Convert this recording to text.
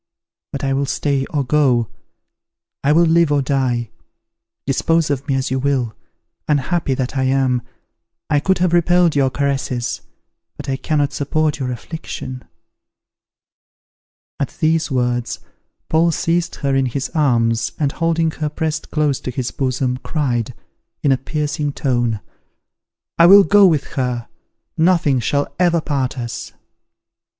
But I will stay or go, I will live or die, dispose of me as you will. Unhappy that I am! I could have repelled your caresses; but I cannot support your affliction." At these words Paul seized her in his arms, and, holding her pressed close to his bosom, cried, in a piercing tone, "I will go with her, nothing shall ever part us."